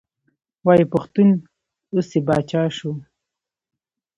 وایي پښتون اوس یې پاچا شو.